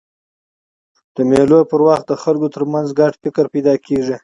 د مېلو پر وخت د خلکو ترمنځ ګډ فکر پیدا کېږي.